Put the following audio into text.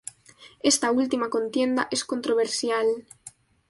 Esta última contienda es controversial.